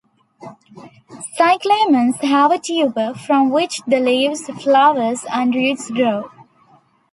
Cyclamens have a tuber, from which the leaves, flowers and roots grow.